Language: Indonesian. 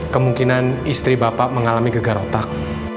kemungkinan istri bapak mengalami gegar otak